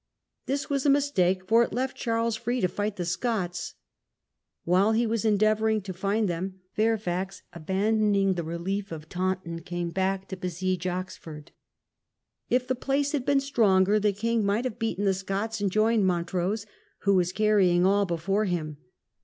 This was a mistake, for it left Charles free to light the Scots. While he was en deavouring to find them, Fairfax, abandoning the relief of Taunton, came back to besiege Oxford. If the place had been stronger the king might have beaten the Scots and joined Montrose, who was carrying all before him.